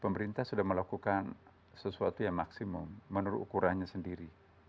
pemerintah sudah melakukan sesuatu yang maksimum menurut ukurannya sendiri